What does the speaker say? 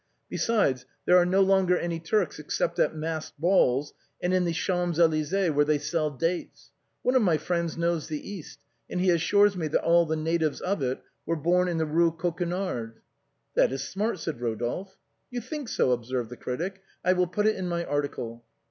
Besides, there are no longer any Turks except at masked balls and in the Champes Elysées where they sell dates. One of my friends knows the East and he assures me that all the natives of it were born in the Eue Coquenard." " That is smart," said Rodolphe. " You think so ?" observed the critic ;" I will put it in my article."